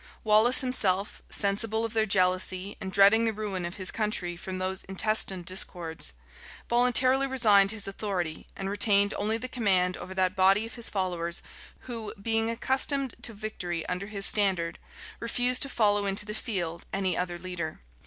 Wallace himself, sensible of their jealousy and dreading the ruin of his country from those intestine discords, voluntarily resigned his authority, and retained only the command over that body of his followers who, being accustomed to victory under his standard, refused to follow into the field any other leader.